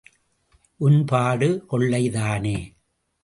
உன் பாடு கொள்ளைதானே?